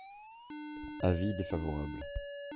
Avis défavorable.